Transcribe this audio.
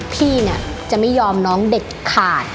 พี่เนี่ยจะไม่ยอมน้องเด็ดขาด